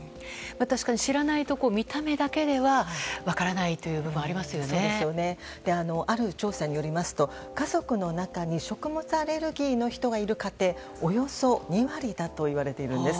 確かに知らないと見た目だけではある調査によりますと家族の中に食物アレルギーの人がいる家庭およそ２割だといわれています。